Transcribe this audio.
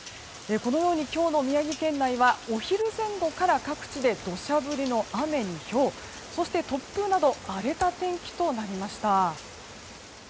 このように今日の宮城県内はお昼前後から各地で土砂降りの雨に、ひょうそして、突風など荒れた天気となりました。